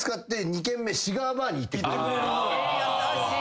優しい。